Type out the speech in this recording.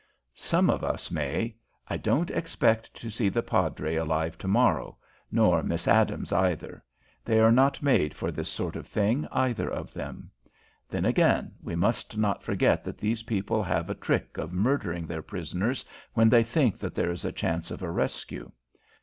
"Some of us may. I don't expect to see the padre alive to morrow, nor Miss Adams either. They are not made for this sort of thing, either of them. Then, again, we must not forget that these people have a trick of murdering their prisoners when they think that there is a chance of a rescue.